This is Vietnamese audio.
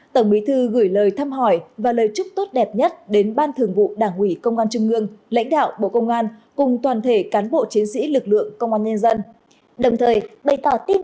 tổng bí thư gửi lời thăm hỏi và lời chúc tốt đẹp nhất đến ban thường vụ đảng ủy công an trung ương lãnh đạo bộ công an cùng toàn thể cán bộ chiến sĩ lực lượng công an nhân dân